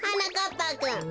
ぱくん。